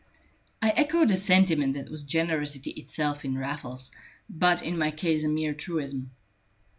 I echoed a sentiment that was generosity itself in Raffles, but in my case a mere truism.